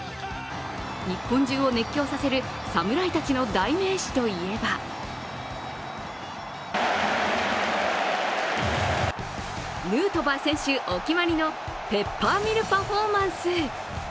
日本中を熱狂させる侍たちの代名詞といえばヌートバー選手お決まりのペッパーミルパフォーマンス。